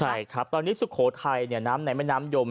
ใช่ครับตอนนี้สุโขทัยน้ำในแม่น้ำยม